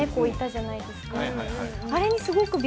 いたじゃないですか